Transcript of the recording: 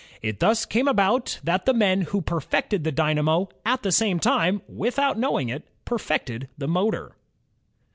It thus came about that the men who per fected the dynamo, at the same time, without knowing it, perfected the motor.